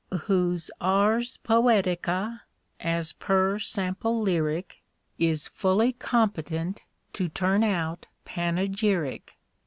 Whose ars poetica (as per sample lyric) Is fully competent to turn out panegyric.